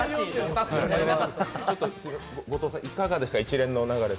ちょっと後藤さん、いかがでしたか、一連の流れ。